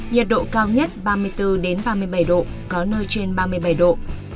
nhiệt độ cao nhất ba mươi bốn ba mươi bảy độ có nơi trên ba mươi bảy độ